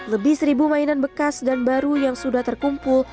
lebih seribu mainan bekas dan baru yang sudah terkumpul